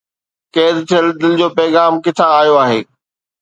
قيد ٿيل دل جو پيغام ڪٿان آيو آهي؟